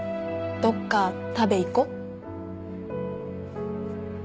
どっか食べ行こ。